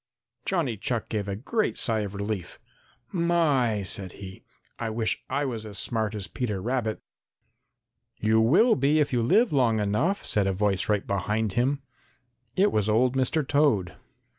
Johnny Chuck gave a great sigh of relief. "My," said he, "I wish I was as smart as Peter Rabbit!" "You will be if you live long enough," said a voice right behind him. It was old Mr. Toad.